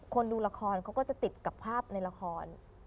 ดูละครเขาก็จะติดกับภาพในละคร